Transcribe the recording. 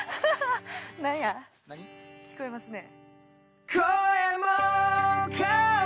何や聞こえますね。